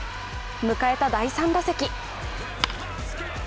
迎えた第３打席。